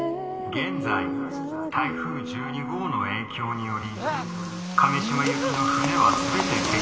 「現在台風１２号の影響により亀島行きの船は全て欠航しています」。